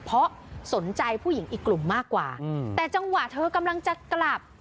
เพราะสนใจผู้หญิงอีกกลุ่มมากกว่าแต่จังหวะเธอกำลังจะกลับ